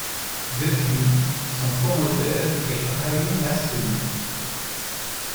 Depuis son promoteur est Brahim Asloum.